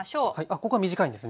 ここは短いんですね。